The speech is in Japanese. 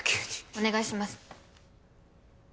お願いします！